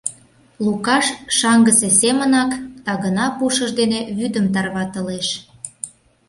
Лукаш шаҥгысе семынак тагына пушыж дене вӱдым тарватылеш.